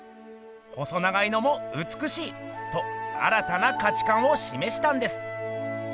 「細長いのもうつくしい！」と新たな価値観をしめしたんです。